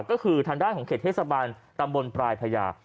ก็คือทางด้านของเขตเทศบาลตำบลปลายพญา